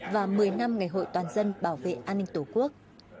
và một mươi năm ngày hội toàn dân bảo vệ an ninh tổ quốc